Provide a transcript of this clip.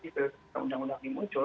ketika undang undang ini muncul